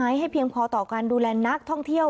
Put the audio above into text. ให้เพียงพอต่อการดูแลนักท่องเที่ยว